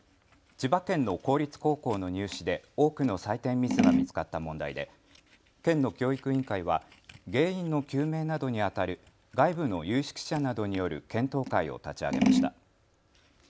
千葉県の公立高校の入試で多くの採点ミスが見つかった問題で県の教育委員会は原因の究明などにあたる外部の有識者などによる検討会を立ち上げました。